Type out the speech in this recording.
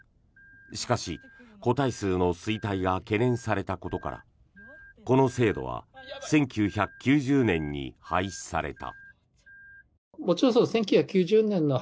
しかし、個体数の衰退が懸念されたことからこの制度は１９９０年に廃止された。